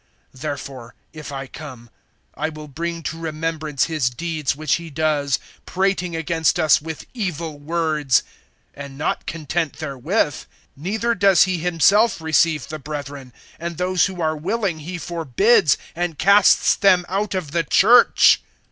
(10)Therefore, if I come, I will bring to remembrance his deeds which he does, prating against us with evil words. And not content therewith, neither does he himself receive the brethren, and those who are willing he forbids, and casts them out of the church.